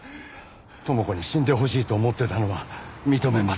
知子に死んでほしいと思ってたのは認めます。